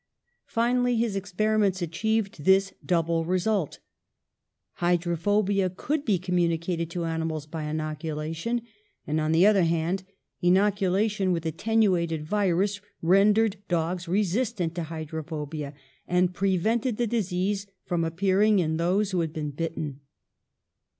Finally his experiments achieved this double result: Hydrophobia could be com municated to animals by inoculation; and, on the other hand, inoculation with attenuated virus rendered dogs resistant to hydrophobia, and prevented the disease from appearing in those that had been bitten.